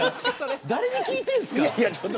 誰が聞いてるんですか。